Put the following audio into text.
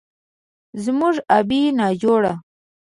زموږ ابۍ ناجوړه،